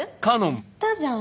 言ったじゃん。